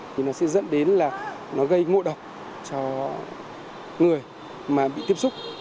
thì nó sẽ dẫn đến là nó gây ngộ độc cho người mà bị tiếp xúc